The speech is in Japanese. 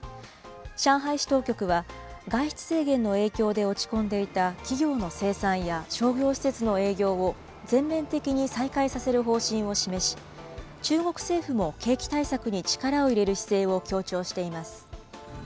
上海市当局は外出制限の影響で落ち込んでいた企業の生産や商業施設の営業を全面的に再開させる方針を示し、中国政府も景気対策に力を入れる姿勢を強調しています。